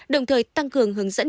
đồng thời tăng cường hướng dẫn